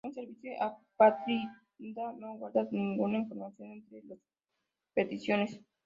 Un servidor apátrida no guarda ninguna información entre las peticiones.